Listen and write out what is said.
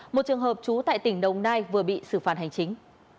một trường hợp trú tại tỉnh đồng nai vừa bị xử phạt hành chính